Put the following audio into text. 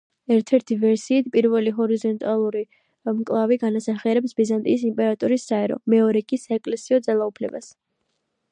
ერთ-ერთი ვერსიით, პირველი ჰორიზონტალური მკლავი განასახიერებს ბიზანტიის იმპერატორის საერო, მეორე კი საეკლესიო ძალაუფლებას.